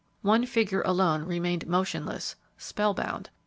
One figure alone remained motionless, spellbound.